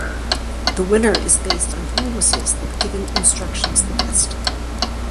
The winner is based on who whistles the given instructions the best.